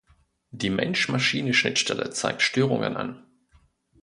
Die Mensch-Maschine-Schnittstelle zeigt Störungen an.